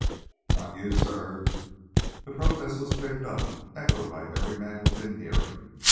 "Not you, suh!" That protest was picked up, echoed by every man within hearing.